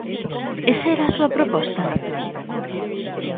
¿Esa era a súa proposta?